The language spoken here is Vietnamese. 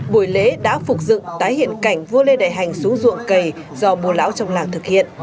buổi lễ đã phục dựng tái hiện cảnh vua lê đại hành xuống ruộng cây do bùa lão trong làng thực hiện